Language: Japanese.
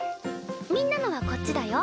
みんなのはこっちだよ。